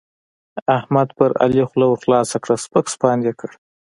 احمد پر علي خوله ورخلاصه کړه؛ سپک سپاند يې کړ.